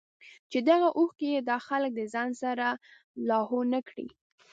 چې دغه اوښکې ئې دا خلک د ځان سره لاهو نۀ کړي